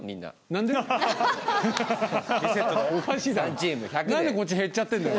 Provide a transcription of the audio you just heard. おかしいだろ何でこっち減っちゃってんだよ